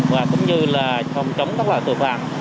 và cũng như là phòng chống các loại tội phạm